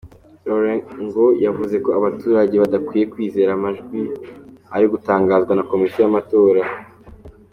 Orengo yavuze ko abaturage badakwiye kwizera amajwi ari gutangazwa na Komisiyo y’amatora.